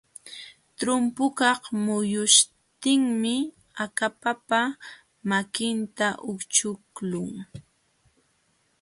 Trumpukaq muyuśhtinmi akapapa makinta ućhkuqlun.